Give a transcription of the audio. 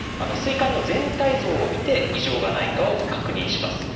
膵管の全体像をみて異常がないかを確認します。